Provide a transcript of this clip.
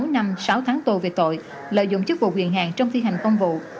sáu năm sáu tháng tù về tội lợi dụng chức vụ quyền hạn trong thi hành công vụ